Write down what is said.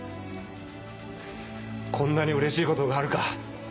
こんなに嬉しいことがあるか。